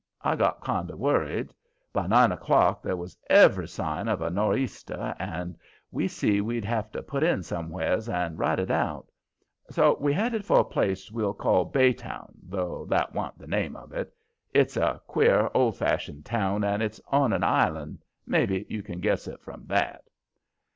I got kind of worried. By nine o'clock there was every sign of a no'theaster, and we see we'd have to put in somewheres and ride it out. So we headed for a place we'll call Baytown, though that wa'n't the name of it. It's a queer, old fashioned town, and it's on an island; maybe you can guess it from that.